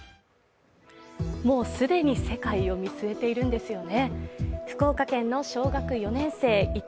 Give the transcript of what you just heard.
もう既に世界を見据えているんですよね。